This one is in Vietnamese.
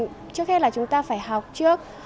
thì trước hết là chúng ta phải học trước